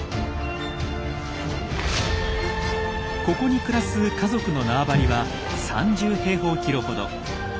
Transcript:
ここに暮らす家族の縄張りは３０平方キロほど。